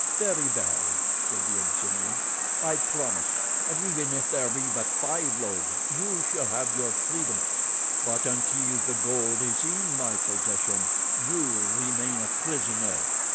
"Very well," said the Abyssinian, "I promise, and even if there be but five loads you shall have your freedom; but until the gold is in my possession you remain a prisoner."